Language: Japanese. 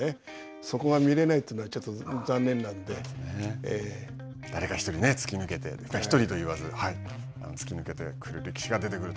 そこが見れないというのはちょっ誰か１人、突き抜けて１人と言わず、突き抜けてくれる日が出てくると